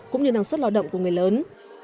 cũng như năng suất lo động của người lớn